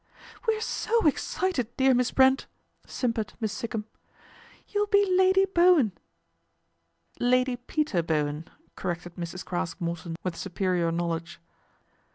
" We're so excited, dear Miss Brent," simpered Miss Sikkum. " You'll be Lady Bowen " "Lady Peter Bowen," corrected Mrs. Craske ; Morton with superior knowledge.